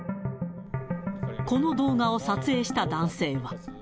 この動画を撮影した男性は。